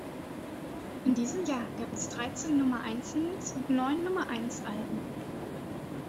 In diesem Jahr gab es dreizehn Nummer-eins-Singles und neun Nummer-eins-Alben.